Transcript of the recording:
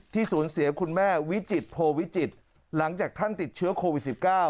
สูญเสียคุณแม่วิจิตโพวิจิตรหลังจากท่านติดเชื้อโควิด๑๙